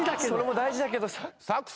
それも大事だけどさ。